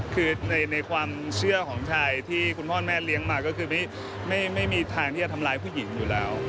คือในความเชื่อของชายที่คุณพ่อแม่เลี้ยงมาก็คือไม่มีทางที่จะทำร้ายผู้หญิงอยู่แล้ว